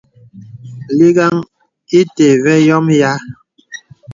Lìgāŋ ìtə̀ və yɔ̄mə yìâ.